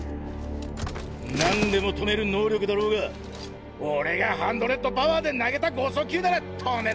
何でも止める能力だろうが俺がハンドレッドパワーで投げた豪速球なら止めらんねぇだろ！